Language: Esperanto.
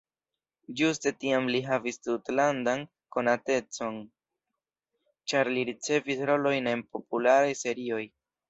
Ĝuste tiam li havis tutlandan konatecon, ĉar li ricevis rolojn en popularaj serioj.